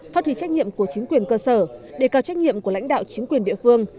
phát huy trách nhiệm của chính quyền cơ sở để cao trách nhiệm của lãnh đạo chính quyền địa phương